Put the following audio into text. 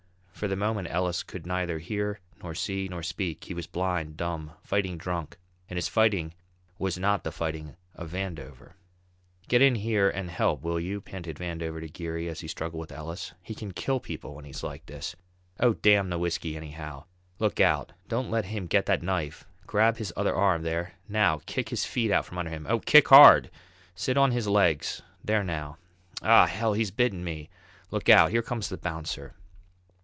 For the moment Ellis could neither hear, nor see, nor speak; he was blind, dumb, fighting drunk, and his fighting was not the fighting of Vandover. "Get in here and help, will you?" panted Vandover to Geary, as he struggled with Ellis. "He can kill people when he's like this. Oh, damn the whisky anyhow! Look out don't let him get that knife! Grab his other arm, there! now, kick his feet from under him! Oh, kick hard! Sit on his legs; there now. Ah! Hell! he's bitten me! Look out! here comes the bouncer!"